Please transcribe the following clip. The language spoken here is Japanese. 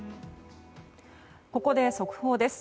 ここで速報です。